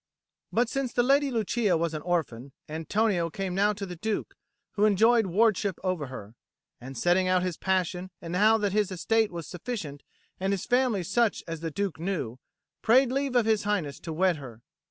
But since the Lady Lucia was an orphan, Antonio came now to the Duke, who enjoyed ward ship over her, and setting out his passion and how that his estate was sufficient and his family such as the Duke knew, prayed leave of His Highness to wed her.